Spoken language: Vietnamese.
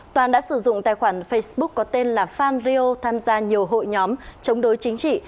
toàn đã sử dụng tài khoản facebook có tên là fan rio tham gia nhiều hội nhóm chống đối chính trị